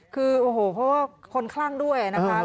คือโอ้โหเพราะว่าคนคลั่งด้วยนะคะ